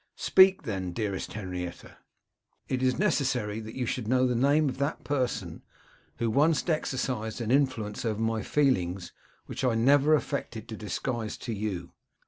'Speak, then, dearest Henrietta.' 'It is necessary that you should know the name of that person who once exercised an influence over my feelings, which I never affected to disguise to you.